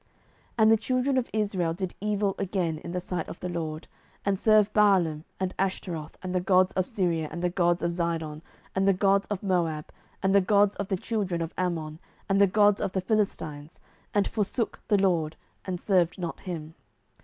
07:010:006 And the children of Israel did evil again in the sight of the LORD, and served Baalim, and Ashtaroth, and the gods of Syria, and the gods of Zidon, and the gods of Moab, and the gods of the children of Ammon, and the gods of the Philistines, and forsook the LORD, and served not him.